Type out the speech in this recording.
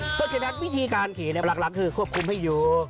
เพราะฉะนั้นวิธีการขี่หลังคือควบคุมให้อยู่